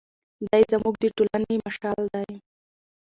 دی زموږ د ټولنې مشعل دی.